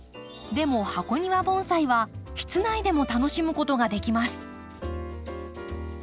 でも箱庭盆栽は室内でも楽しむことができます。